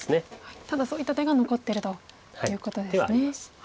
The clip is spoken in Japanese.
ただそういった手が残ってるということですね。